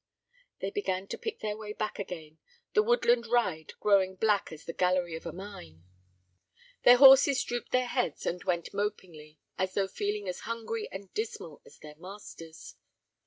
They began to pick their way back again, the woodland "ride" growing black as the gallery of a mine. Their horses drooped their heads and went mopingly as though feeling as hungry and dismal as their masters.